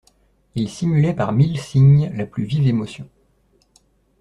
Il simulait par mille signes la plus vive émotion.